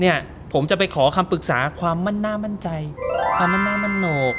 เนี่ยผมจะไปขอคำปรึกษาความมั่นหน้ามั่นใจความมั่นหน้ามั่นโหนก